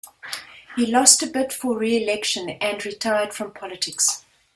He lost a bid for reelection and retired from politics.